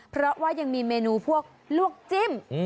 เพราะว่ายังมีเมนูพวกลวกจิ้ม